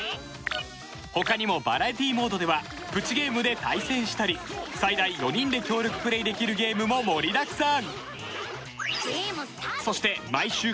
他にもバラエティモードではプチゲームで対戦したり最大４人で協力プレイできるゲームも盛りだくさん。